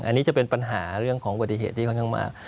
อันนี้จะเป็นปัญหาเรื่องของอุบัติเหตุที่ค่อนข้างมาก